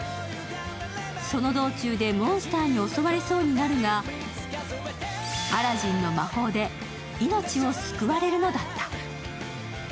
その道中でモンスターに襲われそうになるがアラジンの魔法で命を救われるのだった。